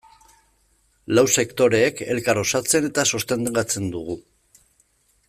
Lau sektoreek elkar osatzen eta sostengatzen dugu.